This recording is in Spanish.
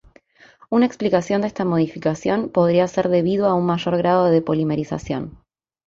Una explicación de esta modificación podría ser debido a un mayor grado de polimerización.